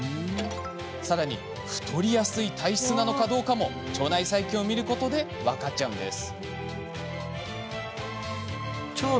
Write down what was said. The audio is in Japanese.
さらに太りやすい体質なのかどうかも腸内細菌を見ることで分かるんです。